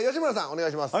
お願いします。